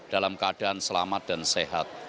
dalam keadaan selamat dan sehat